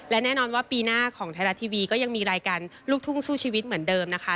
และแน่นอนว่าปีหน้าของไทยรัฐทีวีก็ยังมีรายการลูกทุ่งสู้ชีวิตเหมือนเดิมนะคะ